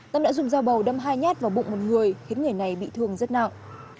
tâm đã dùng dao bầu đâm hai nhát vào bụng một người khiến người này bị thương rất nặng